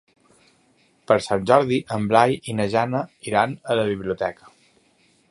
Per Sant Jordi en Blai i na Jana iran a la biblioteca.